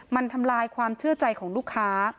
มันทำลายความเชื่อใจของลูกค้า